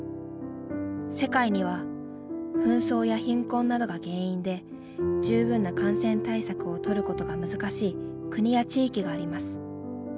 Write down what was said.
世界には紛争や貧困などが原因で十分な感染対策を取ることが難しい国や地域があります。